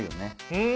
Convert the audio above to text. うん！